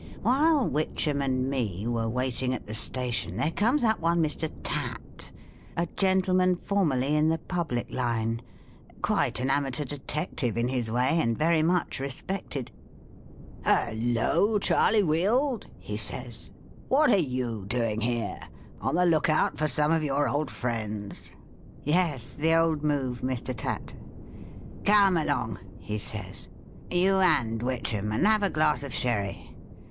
" While Witchem and me were waiting at the station, there comes up one Mr. Tatt ; a gentleman formerly in the public line, quite an amateur Detective in his way, and very much respected. ' Halloa, Charley Wield/ he says. ' What are you doing here 1 On the look oxit for some of your old friends ?'' Yes, the old move, Mr. Tatt.' ' Come along,' he says, ' you and Witchem, and have a glass of sherry.'